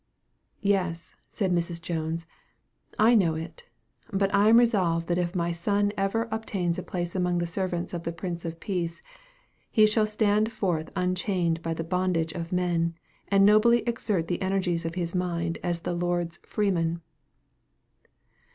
"Yes," said Mrs. Jones, "I know it; but I am resolved that if my son ever obtains a place among the servants of the Prince of Peace, he shall stand forth unchained by the bondage of men, and nobly exert the energies of his mind as the Lord's freeman."